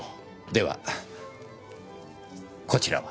ではこちらは？